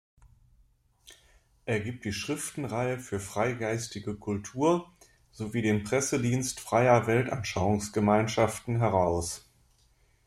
Er gibt die Schriftenreihe für freigeistige Kultur sowie den Pressedienst Freier Weltanschauungsgemeinschaften heraus.